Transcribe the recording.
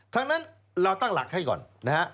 ทั้งนั้นเราตั้งหลักให้ก่อนนะฮะ